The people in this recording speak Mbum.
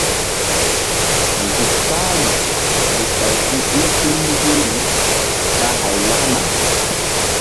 Nzuk kpahri lekɓay si i huy lukiri ɓa hay lakna.